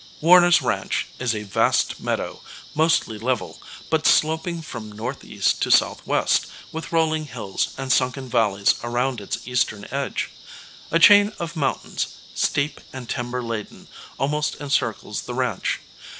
Warner's ranch is a vast meadow, mostly level, but sloping from northeast to southwest, with rolling hills and sunken valleys around its eastern edge. A chain of mountains, steep and timber laden, almost encircles the ranch.